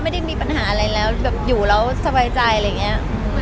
ไม่ได้มีปัญหาอะไรแล้วแบบอยู่แล้วสบายใจอะไรอย่างนี้